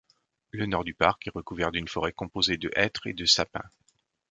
Le nord du parc est recouvert d'une forêt composée de hêtres et de sapins.